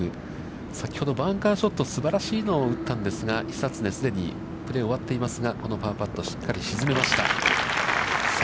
先ほど、バンカーショット、すばらしいのを打ったんですが、久常、既にプレーを終わっていますが、このパーパット、しっかり沈めました。